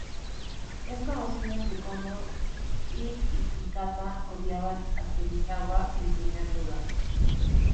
Es conocido que Kondo y Hijikata odiaban a Serizawa en primer lugar.